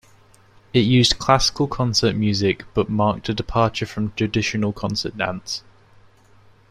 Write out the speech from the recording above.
It used classical concert music but marked a departure from traditional concert dance.